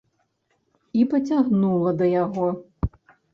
І пацягнула да яго.